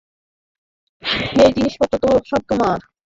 এই জিনিসপত্র সব তোমার?